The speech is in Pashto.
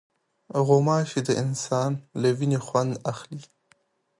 غوماشې د انسان له وینې خوند اخلي.